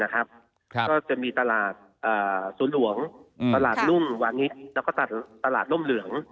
ก็จะมีตลาดศูนย์หลวงตลาดรุ่มวานิแล้วก็ตลาดร่มเหลือง